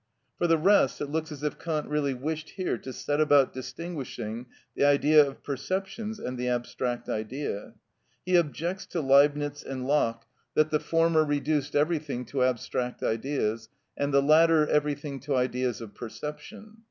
For the rest, it looks as if Kant really wished here to set about distinguishing the idea of perception and the abstract idea. He objects to Leibnitz and Locke that the former reduced everything to abstract ideas, and the latter everything to ideas of perception.